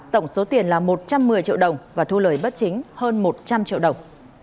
tổng số tiền là một trăm một mươi triệu đồng và thu lời bất chính hơn một trăm linh triệu đồng